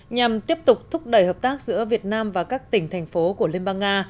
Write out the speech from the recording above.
nhằm tiếp tục thúc đẩy hợp tác giữa việt nam và các tỉnh thành phố của liên bang nga